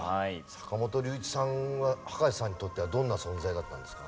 坂本龍一さんは葉加瀬さんにとってはどんな存在だったんですか？